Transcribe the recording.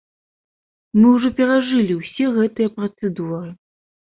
Мы ўжо перажылі ўсе гэтыя працэдуры.